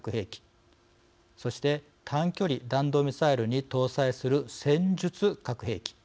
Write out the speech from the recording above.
そして短距離弾道ミサイルに搭載する戦術核兵器